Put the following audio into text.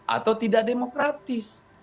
atau tidak demokratis